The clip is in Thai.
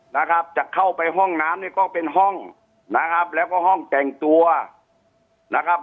นะครับจะเข้าไปห้องน้ำเนี่ยก็เป็นห้องนะครับแล้วก็ห้องแต่งตัวนะครับ